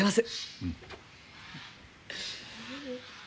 うん。